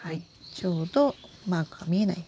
ちょうどマークが見えない。